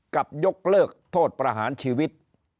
กับยกเลิกโทษประหารชีวิต